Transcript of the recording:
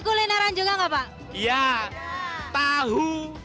tapi bahkan beban apinya mediocre